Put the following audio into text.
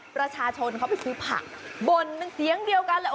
ประชาชนเขาไปซื้อผักบ่นเป็นเสียงเดียวกันเลย